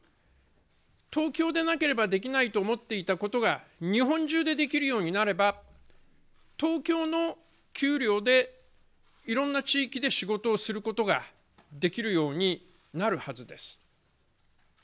東京でなければできないと思っていたことが日本中でできるようになれば東京の給料でいろんな地域で仕事をすることができるようになるはずです。